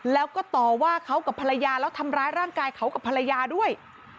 แล้วก็ต่อว่าเขากับภรรยาแล้วทำร้ายร่างกายเขากับภรรยาด้วย